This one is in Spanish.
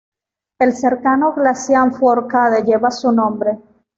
El cercano glaciar Fourcade lleva su nombre.